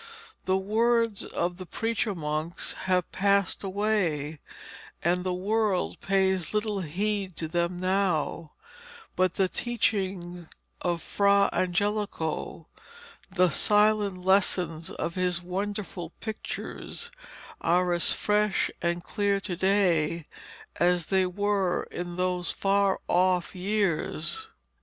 The words of the preacher monks have passed away, and the world pays little heed to them now, but the teaching of Fra Angelico, the silent lessons of his wonderful pictures, are as fresh and clear to day as they were in those far off years.